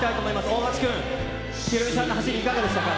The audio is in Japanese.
大橋君、ヒロミさんの走り、いかがでしたか。